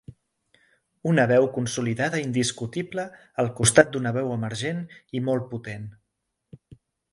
Una veu consolidada i indiscutible al costat d’una veu emergent i molt potent.